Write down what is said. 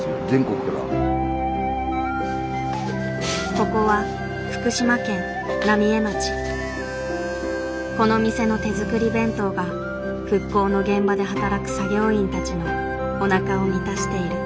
ここはこの店の手作り弁当が復興の現場で働く作業員たちのおなかを満たしている。